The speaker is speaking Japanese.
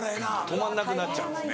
止まんなくなっちゃうんですね。